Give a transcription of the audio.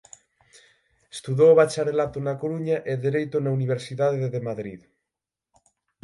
Estudou o bacharelato na Coruña e Dereito na Universidade de Madrid.